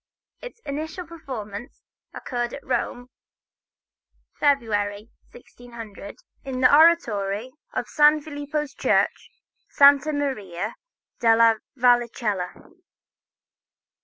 Its initial performance occurred at Rome, February, 1600, in the oratory of San Filippo's church, Santa Maria della Vallicella.